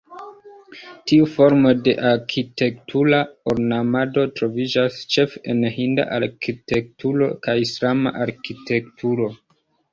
Tiu formo de arkitektura ornamado troviĝas ĉefe en Hinda arkitekturo kaj Islama arkitekturo.